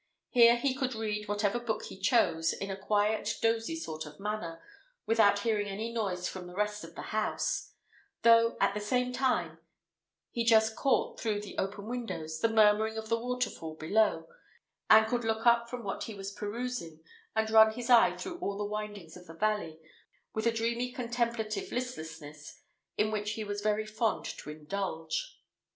Here he could read whatever book he chose, in a quiet, dozy sort of manner, without hearing any noise from the rest of the house; though, at the same time, he just caught, through the open windows, the murmuring of the waterfall below, and could look up from what he was perusing, and run his eye through all the windings of the valley, with a dreamy contemplative listlessness, in which he was very fond to indulge.